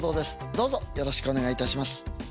どうぞよろしくお願い致します。